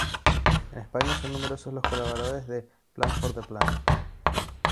En España son numerosos los colaboradores de Plant-for-the-Planet.